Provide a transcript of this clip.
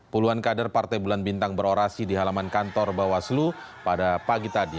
puluhan kader partai bulan bintang berorasi di halaman kantor bawaslu pada pagi tadi